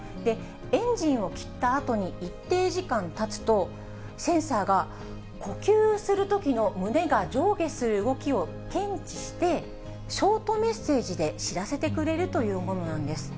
エンジンを切ったあとに、一定時間たつと、センサーが呼吸するときの胸が上下する動きを検知して、ショートメッセージで知らせてくれるというものなんです。